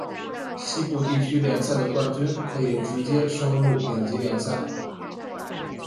西部地区联赛的冠军可以直接升入丙级联赛。